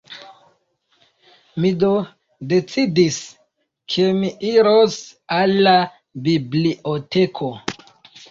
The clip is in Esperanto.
Mi do decidis, ke mi iros al la biblioteko.